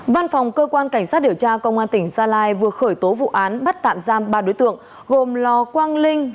văn phòng cơ quan cảnh sát điều tra công an tỉnh gia lai vừa khởi tố vụ án bắt tạm giam ba đối tượng gồm lò quang linh